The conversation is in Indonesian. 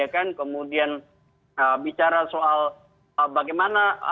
kemudian bicara soal bagaimana